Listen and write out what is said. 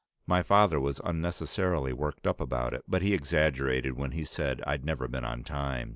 My father was unnecessarily worked up about it, but he exaggerated when he said I'd never been on time.